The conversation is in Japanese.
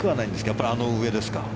やっぱりあの上ですか？